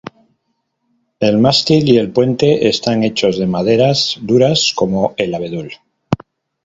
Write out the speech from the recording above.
El mástil y el puente están hechos de maderas duras como el abedul.